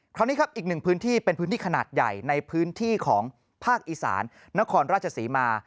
คราวนี้ครับอีกหนึ่งพื้นที่เป็นพื้นที่ขนาดใหญ่ในพื้นที่ของภาคอีสานนครราชศรีมา